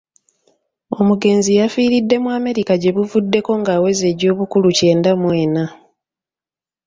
Omugenzi yafiiridde mu America gyebuvuddeko ng'aweza egy'obukulu kyenda mw'enna.